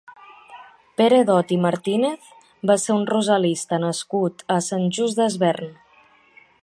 Pere Dot i Martínez va ser un rosalista nascut a Sant Just Desvern.